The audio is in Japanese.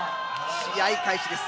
試合開始です。